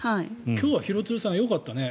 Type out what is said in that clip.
今日は廣津留さん、よかったね。